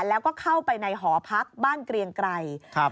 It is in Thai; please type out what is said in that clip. แล้วก็เข้าไปในหอพักบ้านเกรียงไกร